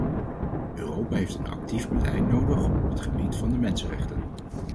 Europa heeft een actief beleid nodig op het gebied van de mensenrechten.